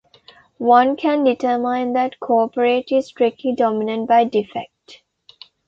One can determine that "Cooperate" is strictly dominated by "Defect".